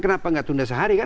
kenapa nggak tunda sehari kan